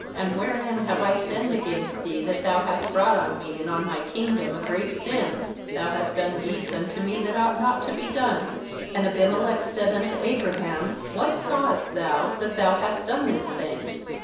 and wherein have I sinned against thee, that thou hast brought on me and on my kingdom a great sin? thou hast done deeds unto me that ought not to be done.' 10And Abimelech said unto Abraham: 'What sawest thou, that thou hast done this thing?'